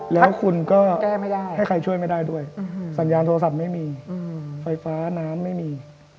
แล้วคุณก็แก้ไม่ได้ให้ใครช่วยไม่ได้ด้วยสัญญาณโทรศัพท์ไม่มีไฟฟ้าน้ำไม่มี